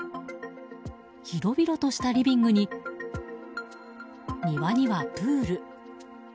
広々としたリビングに庭にはプール。